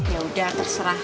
ya udah terserah